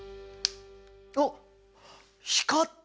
おっ光った！